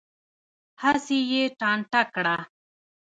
هسې یې ټانټه کړه.